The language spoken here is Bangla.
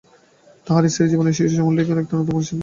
তাহার স্ত্রীর জীবনে শিশু শ্যালকটি একটা নূতন পরিসর বৃদ্ধি করিয়াছে।